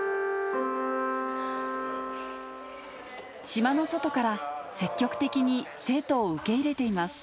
島の外から、積極的に生徒を受け入れています。